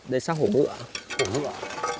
đây là xác hổ ngựa